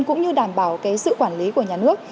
cũng như đảm bảo cái sự quản lý của nhà nước